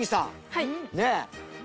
はい。